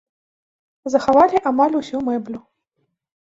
Захавалі амаль усю мэблю.